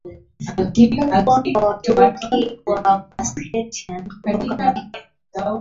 kikubwa kwa Waturuki wa Meskhetian kutoka maeneo